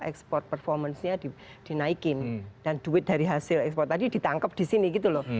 ekspor performance nya dinaikin dan duit dari hasil ekspor tadi ditangkap di sini gitu loh